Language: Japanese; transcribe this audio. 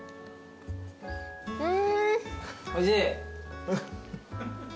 おいしい？